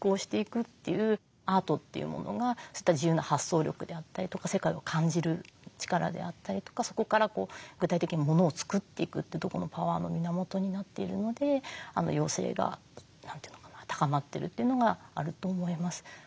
アートというものが自由な発想力であったりとか世界を感じる力であったりとかそこから具体的に物を作っていくというとこのパワーの源になっているので要請が高まっているというのがあると思います。